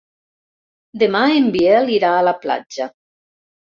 Demà en Biel irà a la platja.